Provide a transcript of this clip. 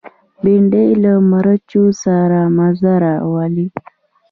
بېنډۍ له مرچو سره مزه راولي